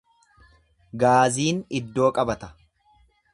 Gaaziin iddoo qabata.